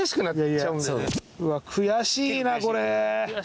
いや悔しいなこれ。